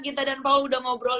kita dan paul udah ngobrol